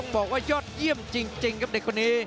บอกว่ายอดเยี่ยมจริงครับเด็กคนนี้